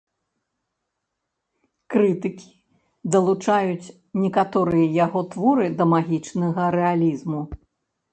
Крытыкі далучаюць некаторыя яго творы да магічнага рэалізму.